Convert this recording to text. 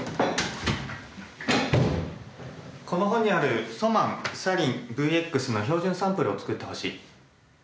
この本にあるソマンサリンＶＸの標準サンプルを造ってほしい。